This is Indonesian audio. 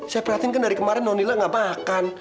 saya perhatikan kan dari kemarin nonila gak makan